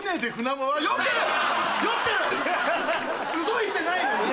動いてないのに。